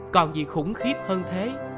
còn gì khủng khiếp hơn thế